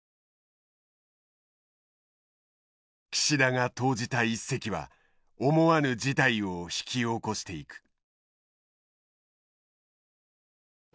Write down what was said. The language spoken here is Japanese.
岸田が投じた一石は思わぬ事態を引き起こしていく。